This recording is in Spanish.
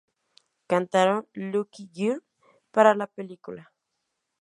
Cantaron "Lucky Girl" para la película.